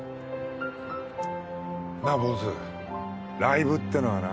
なあ坊主ライブってのはな